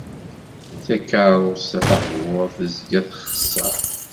Takeṛṛust-a taqburt tezga txeṣṣer.